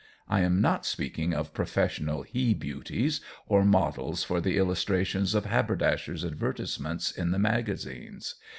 I am not speaking of professional he beauties or models for the illustrations of haberdashers' advertisements in the magazines.